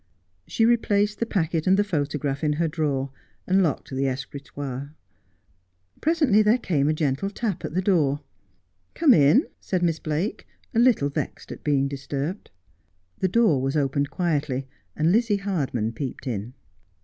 She replaced the packet and the photograph in her drawer, and locked the escritoire. Presently there came a gentle tap at the door. ' Come in,' said Miss Blake, a little vexed at being disturbed. The door was opened quietly, and Lizzie Hardman peeped in.